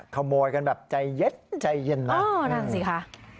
ขโมยกันแบบใจเย็นน่ะอ๋อนั่นสิค่ะ